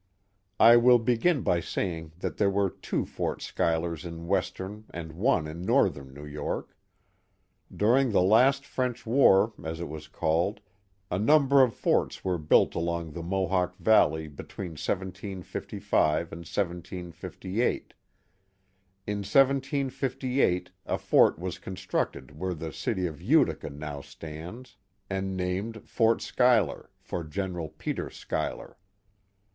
I will begin by saying that there were two Fort Schuylcrs in western and one in northern New York. During the last French war, as it was called, a number of forts were built along the Mohawk Valley between 1755 and 1758. In 1758 a fort was constructed where the city of Utica now stands, and named Fort Schuyler, for General Peter Schuyler.